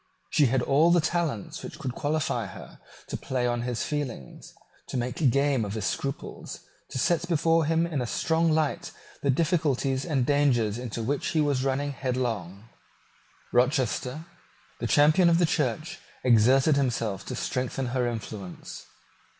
She had all the talents which could qualify her to play on his feelings, to make game of his scruples, to set before him in a strong light the difficulties and dangers into which he was running headlong. Rochester, the champion of the Church, exerted himself to strengthen her influence.